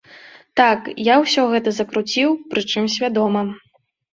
Так, я ўсё гэта закруціў, прычым свядома.